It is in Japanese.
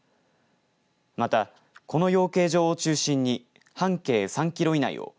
また、この養鶏場を中心に半径３キロ以内を。